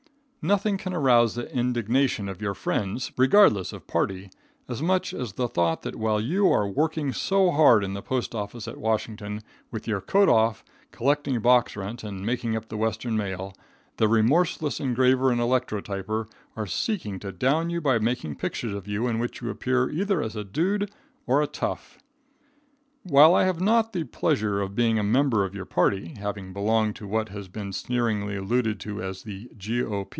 Nothing can arouse the indignation of your friends, regardless of party, so much as the thought that while you are working so hard in the postoffice at Washington with your coat off, collecting box rent and making up the Western mail, the remorseless engraver and electrotyper are seeking to down you by making pictures of you in which you appear either as a dude or a tough. While I have not the pleasure of being a member of your party, having belonged to what has been sneeringly alluded to as the g.o.